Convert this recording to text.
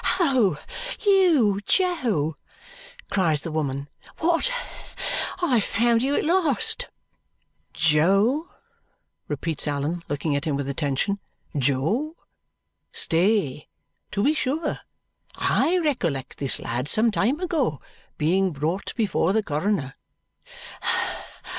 "Oh, you, Jo!" cries the woman. "What? I have found you at last!" "Jo," repeats Allan, looking at him with attention, "Jo! Stay. To be sure! I recollect this lad some time ago being brought before the coroner."